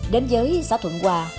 đến giới xã thuận hòa